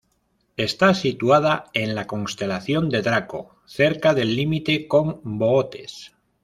Está situada en la constelación de Draco cerca del límite con Bootes.